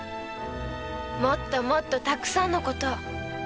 もっともっとたくさんのことを。